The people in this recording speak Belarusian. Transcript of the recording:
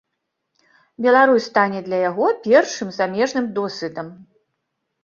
Беларусь стане для яго першым замежным досведам.